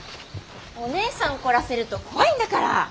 おねえさん怒らせると怖いんだから。